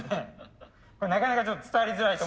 なかなかちょっと伝わりづらい。